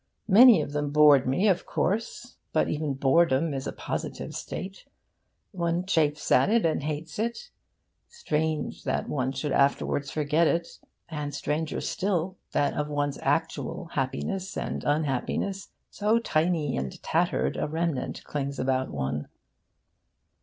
Many of them bored me, of course; but even boredom is a positive state: one chafes at it and hates it; strange that one should afterwards forget it! And stranger still that of one's actual happinesses and unhappinesses so tiny and tattered a remnant clings about one!